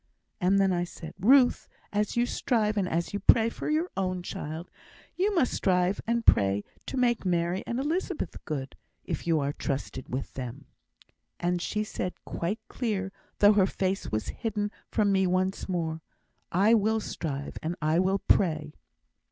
And I said then, 'Ruth, as you strive and as you pray for your own child, so you must strive and pray to make Mary and Elizabeth good, if you are trusted with them.' And she said out quite clear, though her face was hidden from me once more, 'I will strive, and I will pray.'